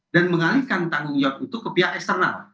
dan mengalihkan tanggung jawab itu ke pihak eksternal